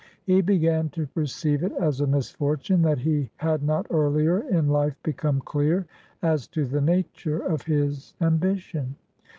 He began to perceive it as a misfortune that he had not earlier in life become clear as to the nature of his ambition.